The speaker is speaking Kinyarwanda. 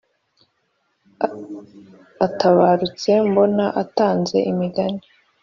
atabarutse mbona atanze imigani.